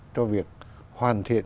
cho việc hoàn thiện